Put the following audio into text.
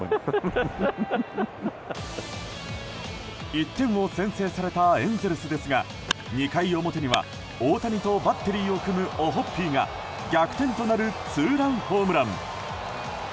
１点を先制されたエンゼルスですが２回表には、大谷とバッテリーを組むオホッピーが逆転となるツーランホームラン。